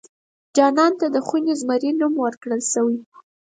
خانان ته د خوني زمري نوم ورکړل شوی.